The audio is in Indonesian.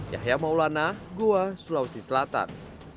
yahya maulana goa sulawesi selatan